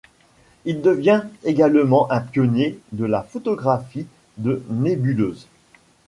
Il devient également un pionnier de la photographie de nébuleuses.